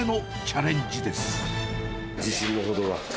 自信のほどは？